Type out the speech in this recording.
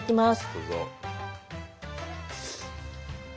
どうぞ。